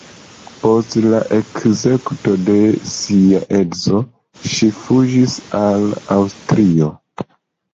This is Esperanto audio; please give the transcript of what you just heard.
Post la ekzekuto de sia edzo ŝi fuĝis al Aŭstrio.